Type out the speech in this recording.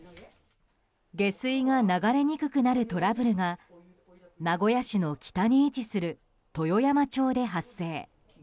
下水が流れにくくなるトラブルが名古屋市の北に位置する豊山町で発生。